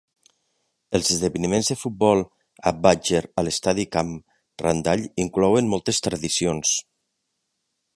Els esdeveniments de futbol a Badger a l'estadi Camp Randall inclouen moltes tradicions.